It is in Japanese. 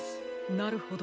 なるほど。